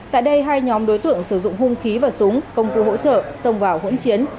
tại đây hai nhóm đối tượng sử dụng hung khí và súng công cụ hỗ trợ xông vào hỗn chiến